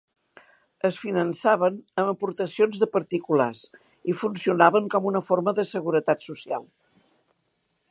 Es finançaven amb aportacions de particulars i funcionaven com una forma de seguretat social.